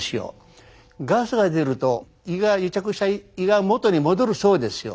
ガスが出ると癒着した胃が元に戻るそうですよ。